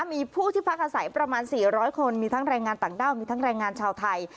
มีผู้ที่พักอาศัยประมาณ๔๐๐คนมีทั้งแรงงานต่างด้าวมีทั้งแรงงานชาวไทย